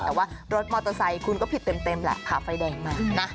แต่ว่ารถมอเตอร์ไซค์คุณก็ผิดเต็มแหละผ่าไฟแดงมานะ